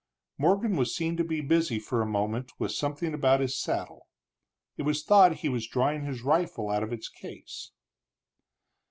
Morgan was seen to be busy for a moment with something about his saddle; it was thought he was drawing his rifle out of its case.